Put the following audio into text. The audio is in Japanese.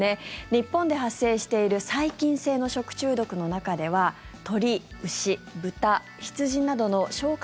日本で発生している細菌性の食中毒の中では鳥、牛、豚、羊などの消化